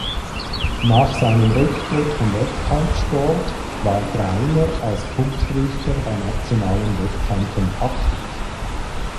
Nach seinem Rücktritt vom Wettkampfsport war Greiner als Punktrichter bei nationalen Wettkämpfen aktiv.